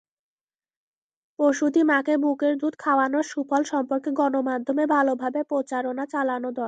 প্রসূতি মাকে বুকের দুধ খাওয়ানোর সুফল সম্পর্কে গণমাধ্যমে ভালোভাবে প্রচারণা চালানো দরকার।